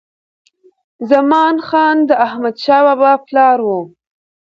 زمان خان د احمدشاه بابا پلار و.